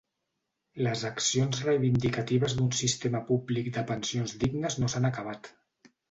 Les accions reivindicatives d’un sistema públic de pensions dignes no s’han acabat.